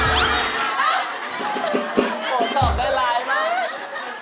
โหตอบได้ไลน์มาก